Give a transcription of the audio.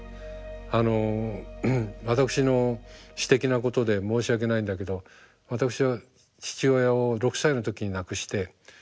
あの私の私的なことで申し訳ないんだけど私は父親を６歳の時に亡くしてほとんど知りません。